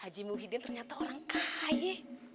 haji muhyiddin ternyata orang kaya